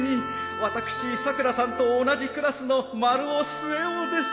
私さくらさんと同じクラスの丸尾末男です。